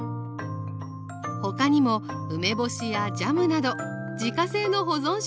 他にも梅干しやジャムなど自家製の保存食も。